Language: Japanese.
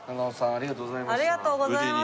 ありがとうございます。